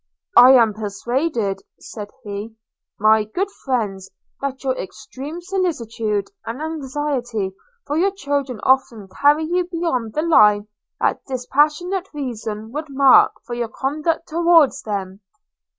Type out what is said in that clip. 'I am persuaded,' said he, 'my good friends, that your extreme solicitude and anxiety for your children often carry you beyond the line that dispassionate reason would mark for your conduct towards them.'